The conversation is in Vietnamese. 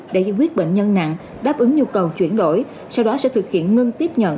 để giải quyết bệnh nhân nặng đáp ứng nhu cầu chuyển đổi sau đó sẽ thực hiện ngưng tiếp nhận